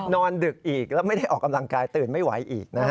ดึกอีกแล้วไม่ได้ออกกำลังกายตื่นไม่ไหวอีกนะฮะ